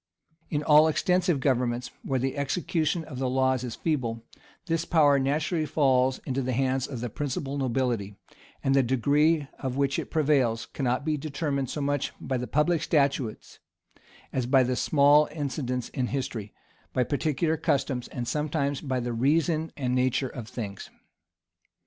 In all extensive governments, where the execution of the laws is feeble, this power naturally falls into the hands of the principal nobility; and the degree of it which prevails, cannot be determined so much by the public statutes, as by small incidents in history, by particular customs, and sometimes by the reason and nature of things.